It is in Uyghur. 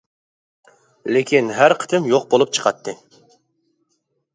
لېكىن ھەر قېتىم يوق بولۇپ چىقاتتى.